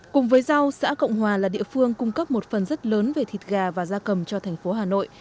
cùng với rau xã cộng hòa là địa phương cung cấp một phần rất lớn về thịt gà và da cầm cho thành phố hà nội